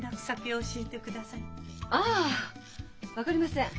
ああ分かりません。